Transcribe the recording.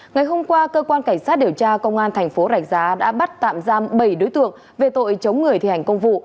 ngày hôm qua cơ quan cảnh sát điều tra công an thành phố rạch giá đã bắt tạm giam bảy đối tượng về tội chống người thi hành công vụ